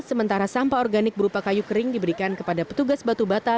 sementara sampah organik berupa kayu kering diberikan kepada petugas batu bata